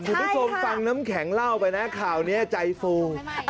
คุณผู้ชมฟังน้ำแข็งเล่าไปนะข่าวนี้ใจฟู